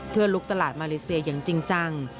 เพื่อลุกตลาดมาเลเซียอย่างจริงจัง